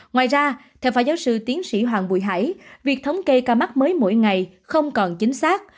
ngoài ra theo phó giáo sư tiến sĩ hoàng bùi hải việc thống kê ca mắc mới mỗi ngày không còn chính xác